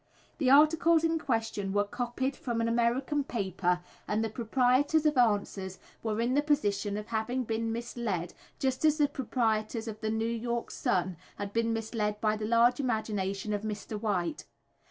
The articles in question were copied from an American paper, and the proprietors of "Answers" were in the position of having been misled, just as the proprietors of the New York Sun had been misled by the large imagination of Mr. White.